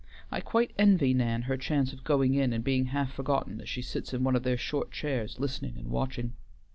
I quite envy Nan her chance of going in and being half forgotten as she sits in one of their short chairs listening and watching.